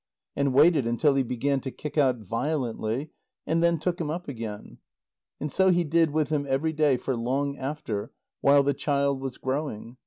And waited until he began to kick out violently, and then took him up again. And so he did with him every day for long after, while the child was growing.